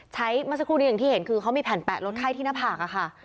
ใช้มันสักครู่นี้อย่างที่เห็นคือเขามีแผ่นแปะรถไข้ที่หน้าผ่าง